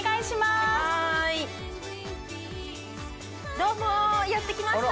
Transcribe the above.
どうもやって来ました。